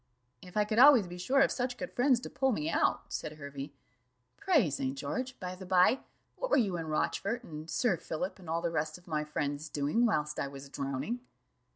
"If I could always be sure of such good friends to pull me out," said Hervey. "Pray, St. George, by the bye, what were you, and Rochfort, and Sir Philip, and all the rest of my friends doing, whilst I was drowning?"